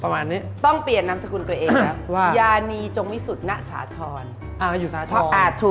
มันได้มีอีกตอนนั้น